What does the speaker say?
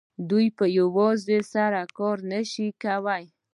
دوی په یوازې سر کار نه شي کولای